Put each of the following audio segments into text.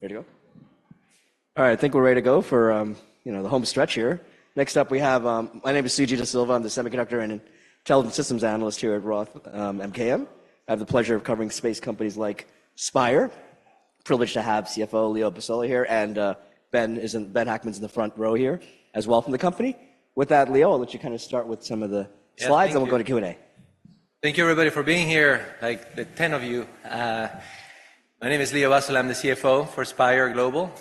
Ready to go? All right, I think we're ready to go for, you know, the home stretch here. Next up we have. My name is Sujeeva De Silva, I'm the Semiconductor and Intelligence Systems Analyst here at Roth MKM. I have the pleasure of covering space companies like Spire. Privileged to have CFO Leo Basola here, and Ben Hackman is in the front row here as well from the company. With that, Leo, I'll let you kinda start with some of the slides and we'll go to Q&A. Thank you everybody for being here, like the 10 of you. My name is Leo Basola, I'm the CFO for Spire Global.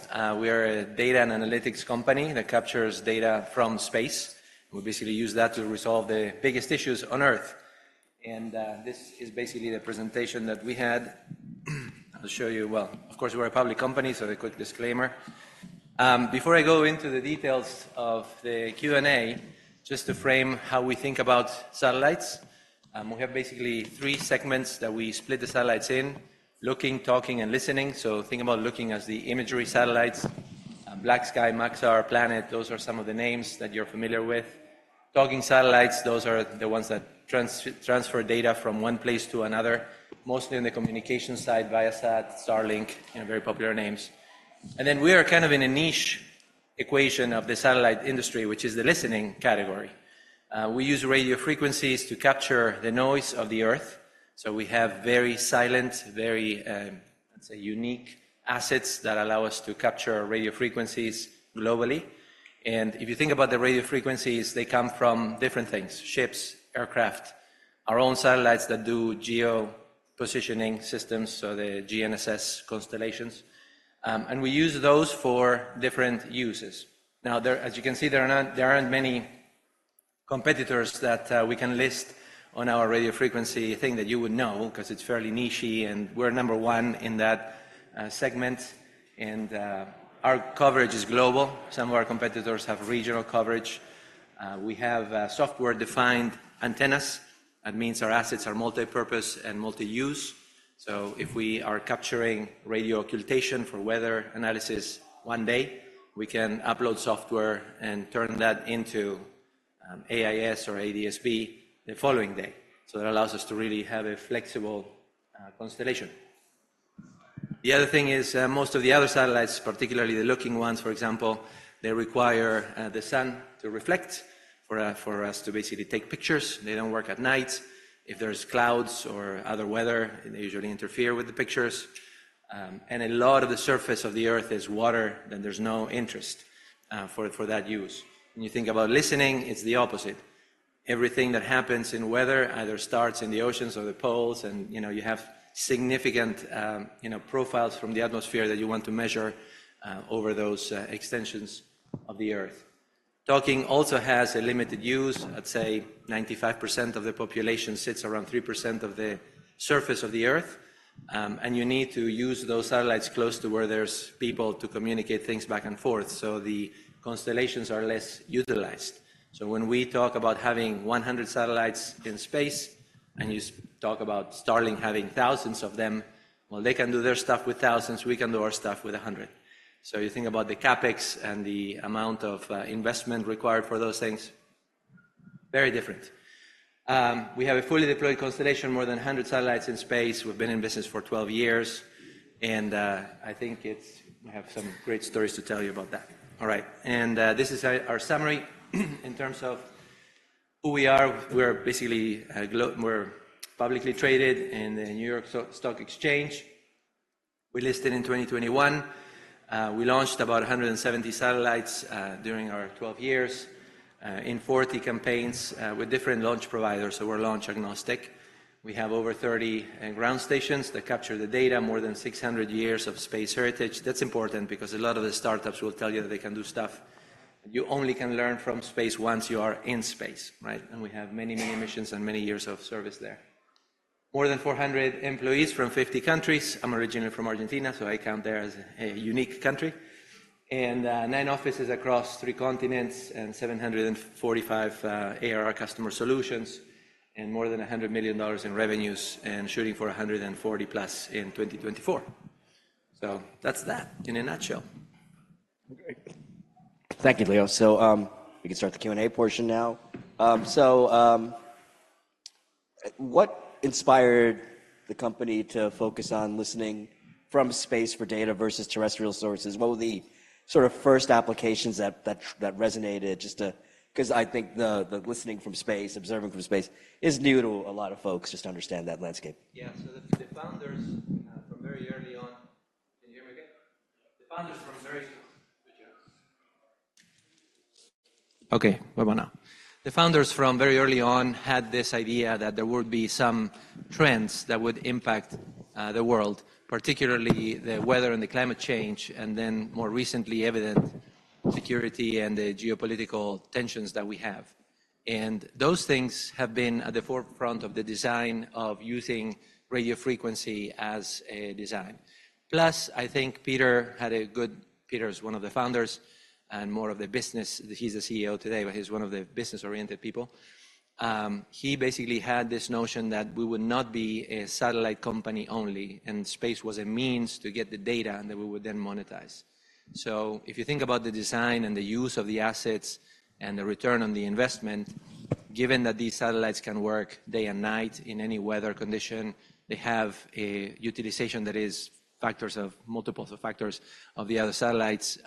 We are a data and analytics company that captures data from space. We basically use that to resolve the biggest issues on Earth. This is basically the presentation that we had. I'll show you well, of course we're a public company, so the quick disclaimer. Before I go into the details of the Q and A, just to frame how we think about satellites. We have basically three segments that we split the satellites in: looking, talking, and listening. So think about looking as the imagery satellites. BlackSky, Maxar, Planet—those are some of the names that you're familiar with. Talking satellites—those are the ones that transfer data from one place to another, mostly in the communications side: Viasat, Starlink, you know, very popular names. Then we are kind of in a niche equation of the satellite industry, which is the listening category. We use radio frequencies to capture the noise of the Earth. So we have very silent, very, let's say, unique assets that allow us to capture radio frequencies globally. And if you think about the radio frequencies, they come from different things: ships, aircraft, our own satellites that do geo-positioning systems, so the GNSS constellations. And we use those for different uses. Now, as you can see, there aren't many competitors that we can list on our radio frequency thing that you would know 'cause it's fairly nichy and we're number one in that segment. And our coverage is global. Some of our competitors have regional coverage. We have software-defined antennas. That means our assets are multipurpose and multi-use. So if we are capturing radio occultation for weather analysis one day, we can upload software and turn that into AIS or ADS-B the following day. So that allows us to really have a flexible constellation. The other thing is, most of the other satellites, particularly the looking ones, for example, they require the sun to reflect for us to basically take pictures. They don't work at night. If there's clouds or other weather, they usually interfere with the pictures. And a lot of the surface of the Earth is water, then there's no interest for that use. When you think about listening, it's the opposite. Everything that happens in weather either starts in the oceans or the poles, and, you know, you have significant, you know, profiles from the atmosphere that you want to measure over those extensions of the Earth. Talking also has a limited use. I'd say 95% of the population sits around 3% of the surface of the Earth. And you need to use those satellites close to where there's people to communicate things back and forth, so the constellations are less utilized. So when we talk about having 100 satellites in space and you start to talk about Starlink having thousands of them, well, they can do their stuff with thousands. We can do our stuff with 100. So you think about the CapEx and the amount of investment required for those things. Very different. We have a fully deployed constellation, more than 100 satellites in space. We've been in business for 12 years. And, I think it's. I have some great stories to tell you about that. All right. And, this is our summary in terms of who we are. We are basically Global, we're publicly traded on the New York Stock Exchange. We listed in 2021. We launched about 170 satellites during our 12 years in 40 campaigns with different launch providers. We're launch agnostic. We have over 30 ground stations that capture the data, more than 600 years of space heritage. That's important because a lot of the startups will tell you that they can do stuff. You only can learn from space once you are in space, right? We have many, many missions and many years of service there. More than 400 employees from 50 countries. I'm originally from Argentina, so I count there as a unique country. Nine offices across three continents and 745 ARR customer solutions and more than $100 million in revenues and shooting for $140+ in 2024. That's that in a nutshell. Great. Thank you, Leo. So, we can start the Q&A portion now. So, what inspired the company to focus on listening from space for data versus terrestrial sources? What were the sort of first applications that resonated just to 'cause I think the listening from space, observing from space is new to a lot of folks, just to understand that landscape. Yeah. So the founders from very early on. Can you hear me okay? The founders from very good, yeah. Okay. Wait one now. The founders from very early on had this idea that there would be some trends that would impact the world, particularly the weather and the climate change, and then more recently evident security and the geopolitical tensions that we have. And those things have been at the forefront of the design of using radio frequency as a design. Plus, I think Peter had a good point. He's one of the founders and more of the business. He's the CEO today, but he's one of the business-oriented people. He basically had this notion that we would not be a satellite company only, and space was a means to get the data and that we would then monetize. So if you think about the design and the use of the assets and the return on the investment, given that these satellites can work day and night in any weather condition, they have a utilization that is factors of multiples of factors of the other satellites.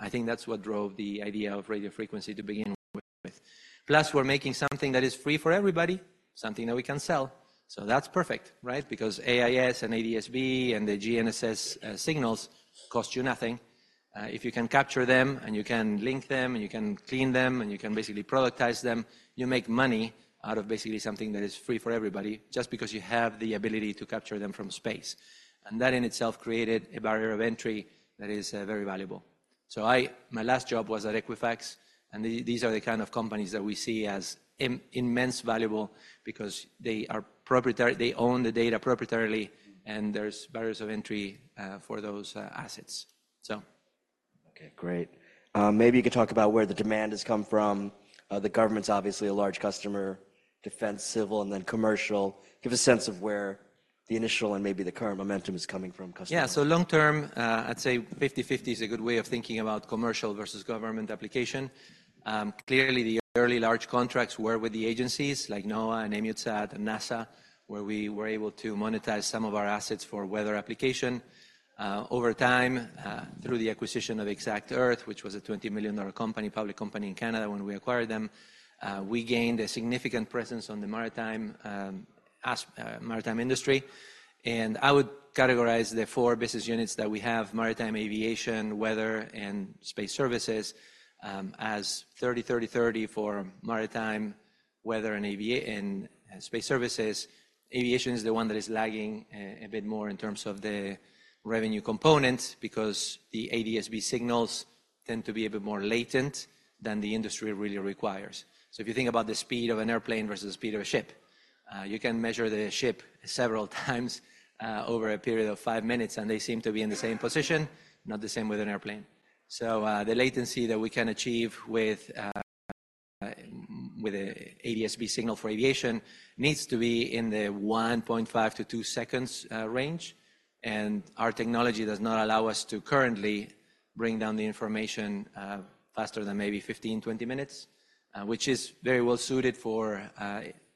I think that's what drove the idea of radio frequency to begin with. Plus, we're making something that is free for everybody, something that we can sell. So that's perfect, right? Because AIS and ADS-B and the GNSS signals cost you nothing if you can capture them and you can link them and you can clean them and you can basically productize them, you make money out of basically something that is free for everybody just because you have the ability to capture them from space. And that in itself created a barrier of entry that is, very valuable. So, my last job was at Equifax, and these are the kind of companies that we see as immensely valuable because they are proprietary, they own the data proprietarily, and there's barriers to entry for those assets. So. Okay. Great. Maybe you could talk about where the demand has come from. The government's obviously a large customer, defense, civil, and then commercial. Give a sense of where the initial and maybe the current momentum is coming from customers. Yeah. So long term, I'd say 50/50 is a good way of thinking about commercial versus government application. Clearly the early large contracts were with the agencies like NOAA, EUMETSAT, and NASA, where we were able to monetize some of our assets for weather application. Over time, through the acquisition of exactEarth, which was a $20 million company, public company in Canada when we acquired them, we gained a significant presence on the maritime, AIS maritime industry. And I would categorize the four business units that we have: maritime aviation, weather, and space services, as 30/30/30 for maritime, weather, and aviation and space services. Aviation is the one that is lagging, a bit more in terms of the revenue components because the ADS-B signals tend to be a bit more latent than the industry really requires. So if you think about the speed of an airplane versus the speed of a ship, you can measure the ship several times, over a period of five minutes, and they seem to be in the same position, not the same with an airplane. So, the latency that we can achieve with an ADS-B signal for aviation needs to be in the 1.5-2-seconds range. And our technology does not allow us to currently bring down the information faster than maybe 15-20-minutes, which is very well suited for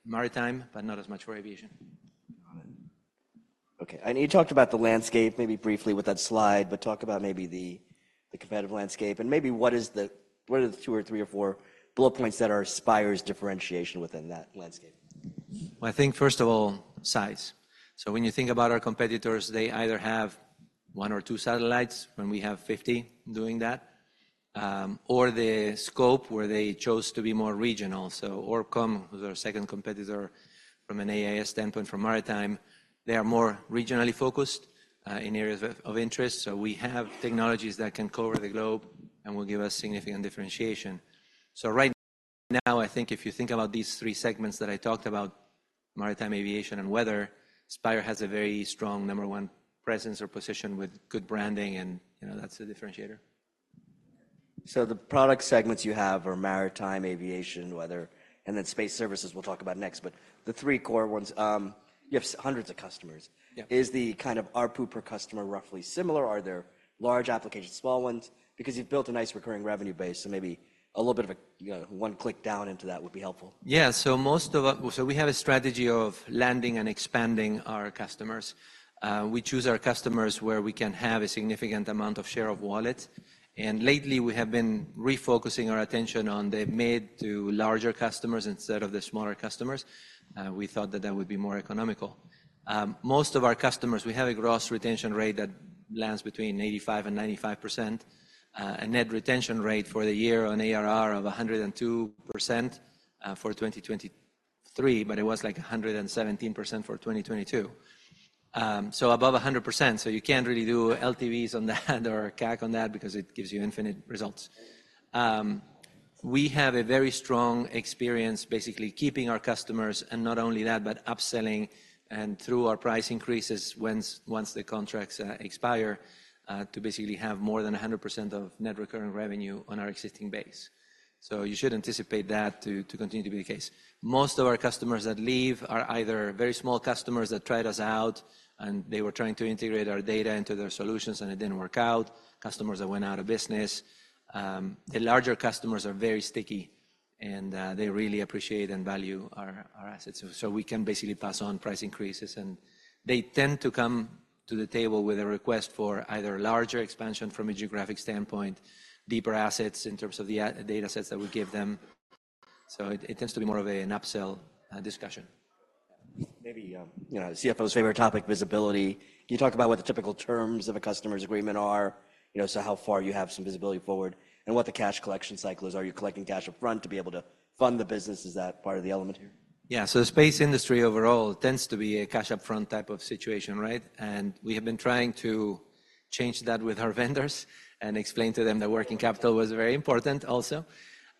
maritime but not as much for aviation. Got it. Okay. And you talked about the landscape maybe briefly with that slide, but talk about maybe the competitive landscape and maybe what are the two or three or four bullet points that are Spire's differentiation within that landscape? Well, I think first of all, size. So when you think about our competitors, they either have one or two satellites when we have 50 doing that, or the scope where they chose to be more regional. So ORBCOMM, who's our second competitor from an AIS standpoint, from maritime, they are more regionally focused, in areas of, of interest. So we have technologies that can cover the globe and will give us significant differentiation. So right now, I think if you think about these three segments that I talked about: maritime, aviation, and weather, Spire has a very strong number one presence or position with good branding, and, you know, that's the differentiator. The product segments you have are maritime, aviation, weather, and then space services. We'll talk about next. The three core ones, you have hundreds of customers. Yeah. Is the kind of RPO per customer roughly similar? Are there large applications, small ones? Because you've built a nice recurring revenue base, so maybe a little bit of a, you know, one click down into that would be helpful. Yeah. So most of our so we have a strategy of landing and expanding our customers. We choose our customers where we can have a significant amount of share of wallet. And lately, we have been refocusing our attention on the mid- to larger customers instead of the smaller customers. We thought that that would be more economical. Most of our customers we have a gross retention rate that lands between 85%-95%, a net retention rate for the year on ARR of 102% for 2023, but it was like 117% for 2022. So above 100%. So you can't really do LTVs on that or CAC on that because it gives you infinite results. We have a very strong experience basically keeping our customers and not only that but upselling and through our price increases once the contracts expire, to basically have more than 100% of net recurring revenue on our existing base. So you should anticipate that to continue to be the case. Most of our customers that leave are either very small customers that tried us out and they were trying to integrate our data into their solutions and it didn't work out, customers that went out of business. The larger customers are very sticky, and they really appreciate and value our assets. So we can basically pass on price increases, and they tend to come to the table with a request for either larger expansion from a geographic standpoint, deeper assets in terms of the datasets that we give them. So it tends to be more of an upsell, discussion. Maybe, you know, CFO's favorite topic, visibility. Can you talk about what the typical terms of a customer's agreement are, you know, so how far you have some visibility forward and what the cash collection cycle is? Are you collecting cash upfront to be able to fund the business? Is that part of the element here? Yeah. So the space industry overall tends to be a cash upfront type of situation, right? And we have been trying to change that with our vendors and explain to them that working capital was very important also.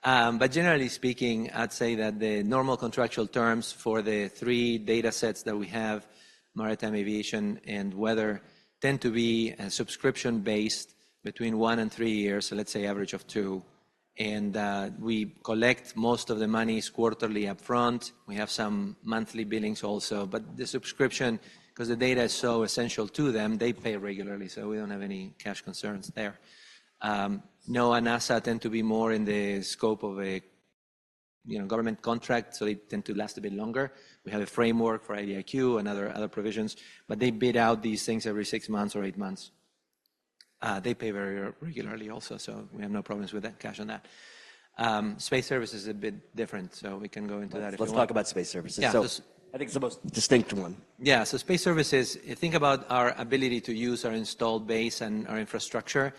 But generally speaking, I'd say that the normal contractual terms for the three datasets that we have, maritime, aviation, and weather, tend to be subscription-based between one and three years, let's say average of two. And we collect most of the money quarterly upfront. We have some monthly billings also. But the subscription 'cause the data is so essential to them, they pay regularly, so we don't have any cash concerns there. NOAA and NASA tend to be more in the scope of a, you know, government contract, so they tend to last a bit longer. We have a framework for IDIQ and other, other provisions, but they bid out these things every six months or eight months. They pay very regularly also, so we have no problems with that cash on that. Space service is a bit different, so we can go into that if you want. Let's talk about space services. Yeah. Just. I think it's the most distinct one. Yeah. So space services, if you think about our ability to use our installed base and our infrastructure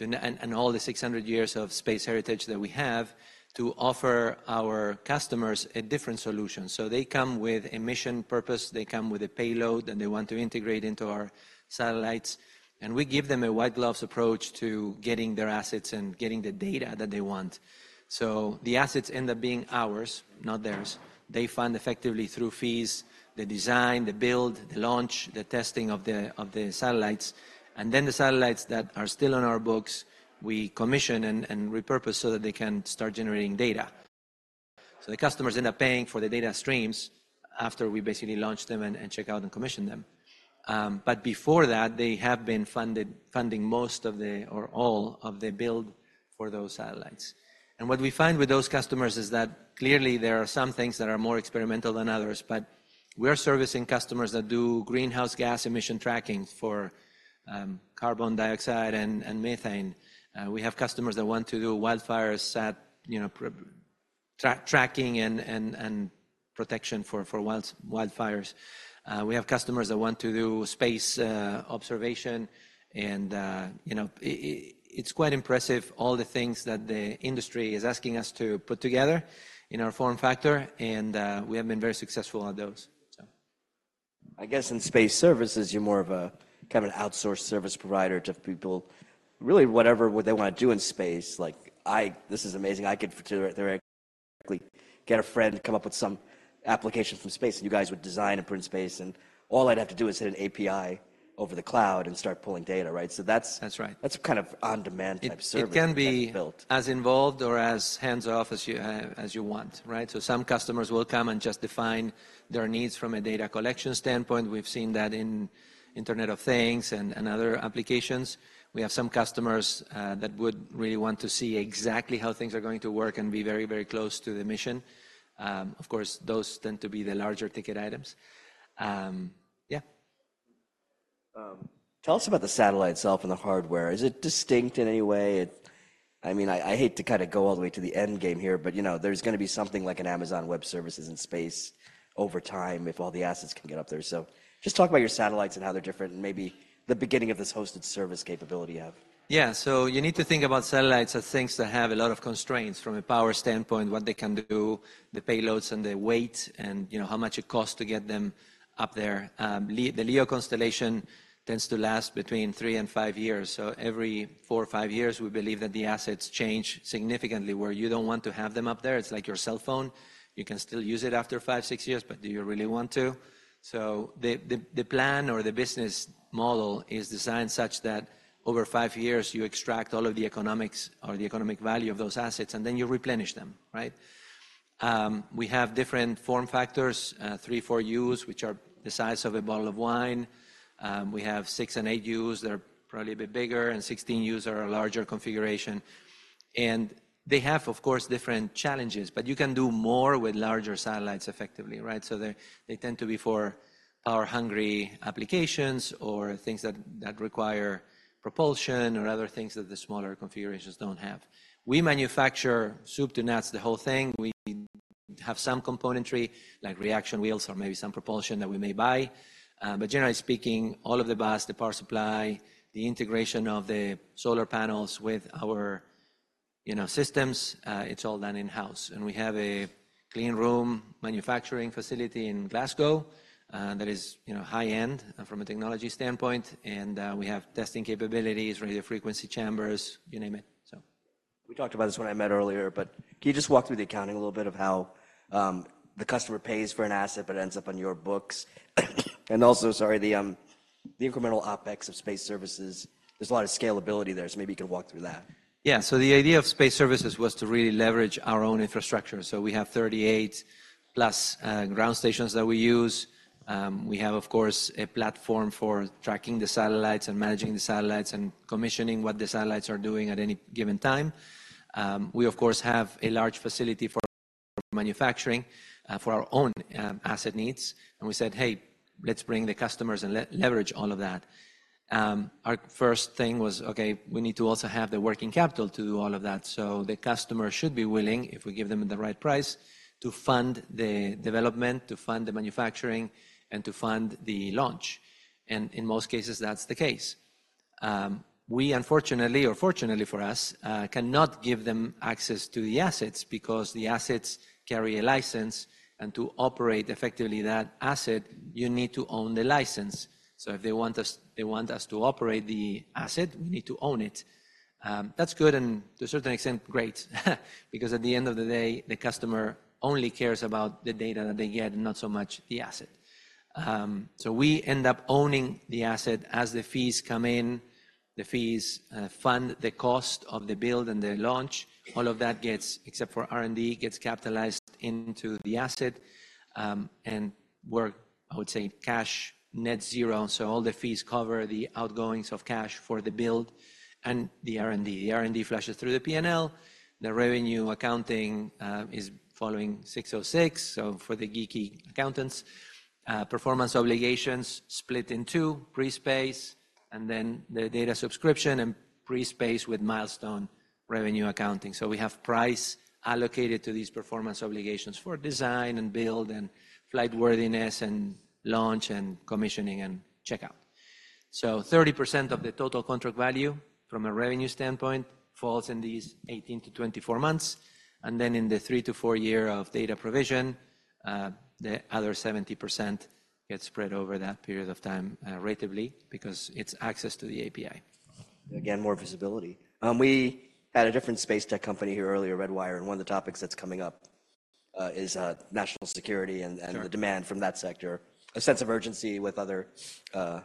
and all the 600 years of space heritage that we have to offer our customers a different solution. So they come with a mission purpose. They come with a payload, and they want to integrate into our satellites. And we give them a white gloves approach to getting their assets and getting the data that they want. So the assets end up being ours, not theirs. They fund effectively through fees: the design, the build, the launch, the testing of the satellites. And then the satellites that are still on our books, we commission and repurpose so that they can start generating data. So the customers end up paying for the data streams after we basically launch them and check out and commission them. Before that, they have been funding most of the or all of the build for those satellites. What we find with those customers is that clearly there are some things that are more experimental than others, but we are servicing customers that do greenhouse gas emission tracking for carbon dioxide and methane. We have customers that want to do wildfires, you know, proactive tracking and protection for wildfires. We have customers that want to do space observation and, you know, it's quite impressive all the things that the industry is asking us to put together in our form factor, and we have been very successful at those, so. I guess in space services, you're more of a kind of an outsourced service provider to people really whatever they want to do in space. Like, this is amazing. I could go to you directly, have a friend come up with some application from space, and you guys would design and put in space, and all I'd have to do is hit an API over the cloud and start pulling data, right? So that's. That's right. That's kind of on-demand type service. It can be as involved or as hands-off as you want, right? So some customers will come and just define their needs from a data collection standpoint. We've seen that in Internet of Things and other applications. We have some customers that would really want to see exactly how things are going to work and be very, very close to the mission. Of course, those tend to be the larger ticket items. Yeah. Tell us about the satellite itself and the hardware. Is it distinct in any way? I mean, I hate to kind of go all the way to the end game here, but, you know, there's going to be something like an Amazon Web Services in space over time if all the assets can get up there. So just talk about your satellites and how they're different and maybe the beginning of this hosted service capability you have. Yeah. So you need to think about satellites as things that have a lot of constraints from a power standpoint, what they can do, the payloads and the weight, and, you know, how much it costs to get them up there. LEO, the LEO constellation tends to last between three and five years. So every four or five years, we believe that the assets change significantly where you don't want to have them up there. It's like your cell phone. You can still use it after five, six years, but do you really want to? So the, the, the plan or the business model is designed such that over five years, you extract all of the economics or the economic value of those assets, and then you replenish them, right? We have different form factors, 3U, 4U, which are the size of a bottle of wine. We have 6U and 8U. They're probably a bit bigger, and 16U are a larger configuration. And they have, of course, different challenges, but you can do more with larger satellites effectively, right? So they, they tend to be for power-hungry applications or things that, that require propulsion or other things that the smaller configurations don't have. We manufacture soup to nuts the whole thing. We have some componentry like reaction wheels or maybe some propulsion that we may buy. But generally speaking, all of the bus, the power supply, the integration of the solar panels with our, you know, systems, it's all done in-house. And we have a clean room manufacturing facility in Glasgow that is, you know, high-end from a technology standpoint. And, we have testing capabilities, radio frequency chambers, you name it, so. We talked about this when I met earlier, but can you just walk through the accounting a little bit of how the customer pays for an asset but ends up on your books? And also, sorry, the incremental OpEx of space services. There's a lot of scalability there, so maybe you could walk through that. Yeah. So the idea of space services was to really leverage our own infrastructure. So we have 38+ ground stations that we use. We have, of course, a platform for tracking the satellites and managing the satellites and commissioning what the satellites are doing at any given time. We, of course, have a large facility for manufacturing, for our own asset needs. And we said, "Hey, let's bring the customers and leverage all of that." Our first thing was, "Okay, we need to also have the working capital to do all of that." So the customer should be willing, if we give them the right price, to fund the development, to fund the manufacturing, and to fund the launch. And in most cases, that's the case. We unfortunately or fortunately for us cannot give them access to the assets because the assets carry a license. And to operate effectively that asset, you need to own the license. So if they want us they want us to operate the asset, we need to own it. That's good and to a certain extent, great because at the end of the day, the customer only cares about the data that they get and not so much the asset. So we end up owning the asset as the fees come in. The fees fund the cost of the build and the launch. All of that gets except for R&D gets capitalized into the asset, and we're, I would say, cash net zero. So all the fees cover the outgoings of cash for the build and the R&D. The R&D flashes through the P&L. The revenue accounting is following 606, so for the geeky accountants. Performance obligations split in two, pre-space, and then the data subscription and pre-space with milestone revenue accounting. We have price allocated to these performance obligations for design and build and flight worthiness and launch and commissioning and checkout. 30% of the total contract value from a revenue standpoint falls in these 18-24 months. Then in the three to four year of data provision, the other 70% gets spread over that period of time, ratably because it's access to the API. Again, more visibility. We had a different space tech company here earlier, Redwire, and one of the topics that's coming up is national security and the demand from that sector. A sense of urgency with other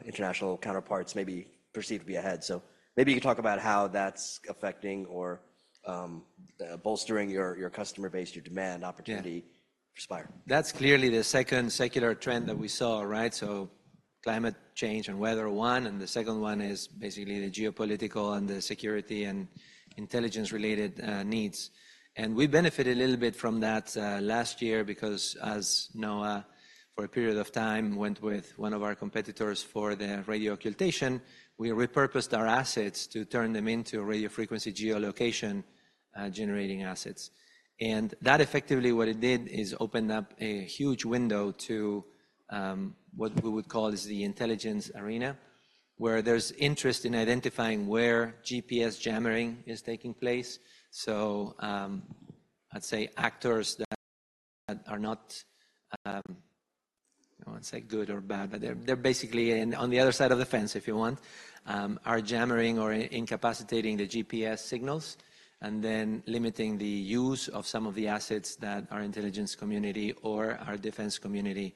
international counterparts maybe perceived to be ahead. So maybe you could talk about how that's affecting or bolstering your customer base, your demand opportunity for Spire. Yeah. That's clearly the second secular trend that we saw, right? So climate change and weather one, and the second one is basically the geopolitical and the security and intelligence-related needs. And we benefited a little bit from that last year because, as NOAA for a period of time went with one of our competitors for the radio occultation, we repurposed our assets to turn them into radio frequency geolocation-generating assets. And that effectively what it did is opened up a huge window to what we would call the intelligence arena where there's interest in identifying where GPS jamming is taking place. So, I'd say actors that are not, I don't want to say good or bad, but they're basically on the other side of the fence if you want, are jamming or incapacitating the GPS signals and then limiting the use of some of the assets that our intelligence community or our defense community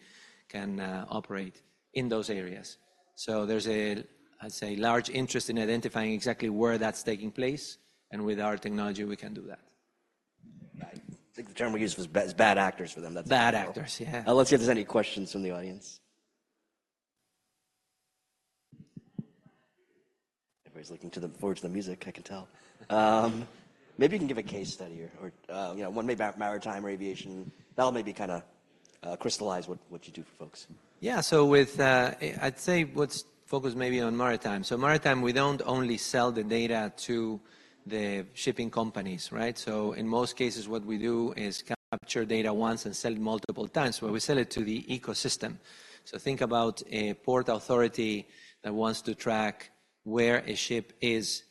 can operate in those areas. So there's a, I'd say, large interest in identifying exactly where that's taking place, and with our technology, we can do that. Right. I think the term we use was be as bad actors for them. That's. Bad actors, yeah. Let's see if there's any questions from the audience. Everybody's looking forward to the music. I can tell. Maybe you can give a case study or, or, you know, one maybe maritime or aviation. That'll maybe kind of crystallize what, what you do for folks. Yeah. So with, I'd say let's focus maybe on maritime. So maritime, we don't only sell the data to the shipping companies, right? So in most cases, what we do is capture data once and sell it multiple times where we sell it to the ecosystem. So think about a port authority that wants to track where a ship is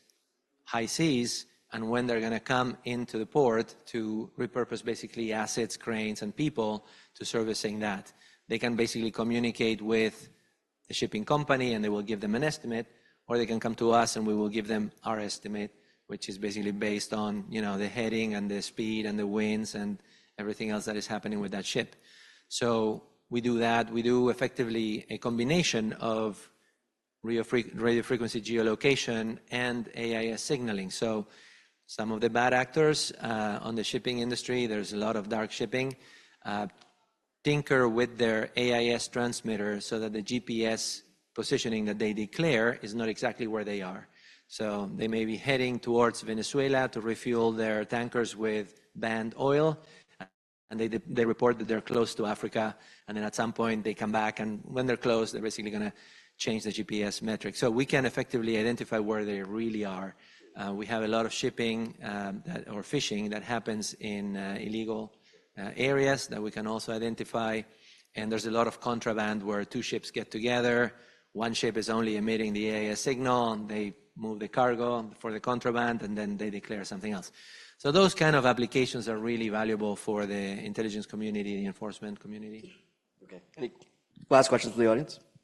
high seas and when they're going to come into the port to repurpose basically assets, cranes, and people to servicing that. They can basically communicate with the shipping company, and they will give them an estimate, or they can come to us, and we will give them our estimate, which is basically based on, you know, the heading and the speed and the winds and everything else that is happening with that ship. So we do that. We do effectively a combination of radio frequency geolocation and AIS signaling. So some of the bad actors on the shipping industry, there's a lot of dark shipping, tinker with their AIS transmitter so that the GPS positioning that they declare is not exactly where they are. So they may be heading towards Venezuela to refuel their tankers with banned oil, and they report that they're close to Africa. And then at some point, they come back, and when they're close, they're basically going to change the GPS metrics. So we can effectively identify where they really are. We have a lot of shipping that or fishing that happens in illegal areas that we can also identify. And there's a lot of contraband where two ships get together. One ship is only emitting the AIS signal, and they move the cargo for the contraband, and then they declare something else. So those kind of applications are really valuable for the intelligence community, the enforcement community. Okay. Any last questions from the audience?